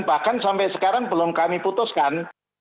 bahkan sampai sekarang belum kami putuskan